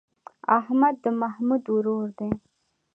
احمد د محمود ورور دی.